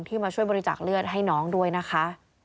มาช่วยบริจาคเลือดให้น้องด้วยนะคะ